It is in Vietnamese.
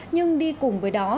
nhưng đi cùng với đó